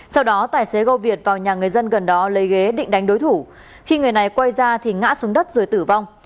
sau đó tài xế goviet vào nhà người dân gần đó lấy ghế định đánh đối thủ khi người này quay ra thì ngã xuống đất rồi tử vong